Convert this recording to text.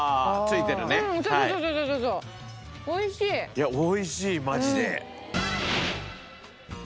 いや美味しいマジで。